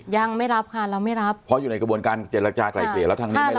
ยังไม่รับค่ะเราไม่รับเพราะอยู่ในกระบวนการเจรจากลายเกลี่ยแล้วทางนี้ไม่ได้